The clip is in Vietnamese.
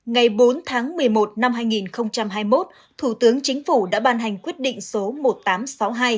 ngày bốn tháng một mươi một năm hai nghìn hai mươi một thủ tướng chính phủ đã ban hành quyết định số một nghìn tám trăm sáu mươi hai